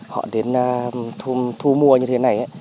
họ đến thu mua như thế này